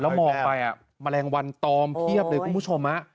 แล้วมองไปอ่ะมะแรงวันตอมเพียบเลยคุณผู้ชมนะ